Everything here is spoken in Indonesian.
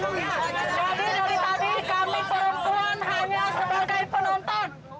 jadi dari tadi kami perempuan hanya sebagai penonton